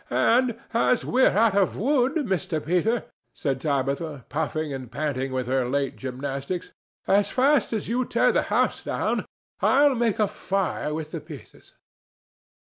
"And, as we're out of wood, Mr. Peter," said Tabitha, puffing and panting with her late gymnastics, "as fast as you tear the house down I'll make a fire with the pieces."